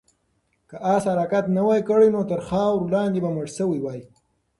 که آس حرکت نه وای کړی، نو تر خاورو لاندې به مړ شوی وای.